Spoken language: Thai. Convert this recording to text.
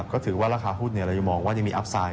ก็ถือว่าราคาหุ้นเรายังมองว่ายังมีอัพไซด